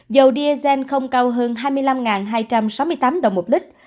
dầu diesel không cao hơn hai mươi năm hai trăm sáu mươi tám đồng một lít